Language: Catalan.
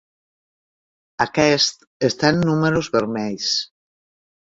Aquest està en números vermells.